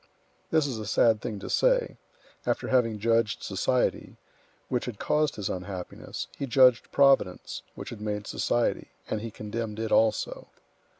This is a sad thing to say; after having judged society, which had caused his unhappiness, he judged Providence, which had made society, and he condemned it also.